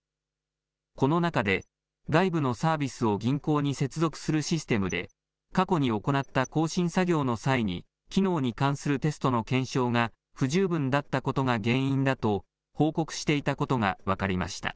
この中で、外部のサービスを銀行に接続するシステムで、過去に行った更新作業の際に、機能に関するテストの検証が不十分だったことが原因だと、報告していたことが分かりました。